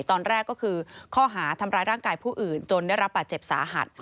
ตอนแรกก็คือข้อหาทำร้ายร่างกายผู้อื่นจนได้รับบาดเจ็บสาหัส